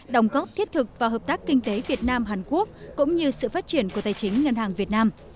đồng góp thiết thực và hợp tác kinh tế việt nam hàn quốc cũng như sự phát triển của tài chính ngân hàng việt nam